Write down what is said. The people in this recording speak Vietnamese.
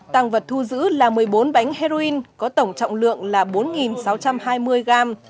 tăng vật thu giữ là một mươi bốn bánh heroin có tổng trọng lượng là bốn sáu trăm hai mươi gram